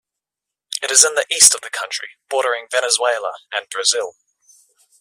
It is in the east of the country, bordering Venezuela and Brazil.